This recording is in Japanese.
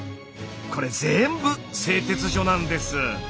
これぜんぶ製鉄所なんです。